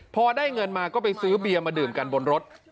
พอได้เงินมาก็ไปซื้อเบียร์มาดื่มกันบนรถ